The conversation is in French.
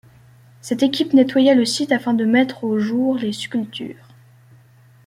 Cette équipe nettoya le site afin de mettre au jour les sculptures.